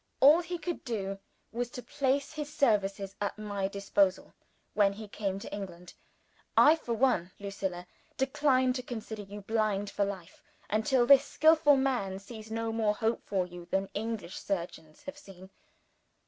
All he could do was to place his services at my disposal, when he came to England. I for one, Lucilla, decline to consider you blind for life, until this skillful man sees no more hope for you than the English surgeons have seen.